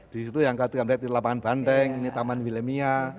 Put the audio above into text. di situ yang kami lihat di lapangan bandeng ini taman willemia